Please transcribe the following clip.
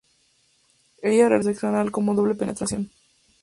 Ella realiza tanto sexo anal como doble penetración.